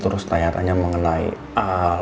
terus tanya tanya mengenai